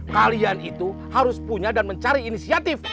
kalian itu harus punya dan mencari inisiatif